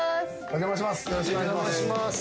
お邪魔します。